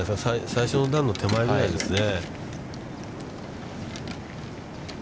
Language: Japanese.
最初の段の手前ぐらいですね。